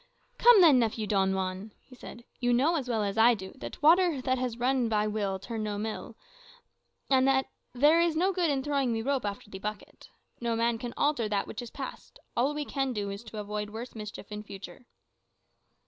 "Come, then, nephew Don Juan," he said, "you know as well as I do that 'water that has run by will turn no mill,' and that 'there is no good in throwing the rope after the bucket.' No man can alter that which is past. All we can do is to avoid worse mischief in future."